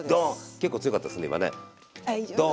結構強かったですね今ね。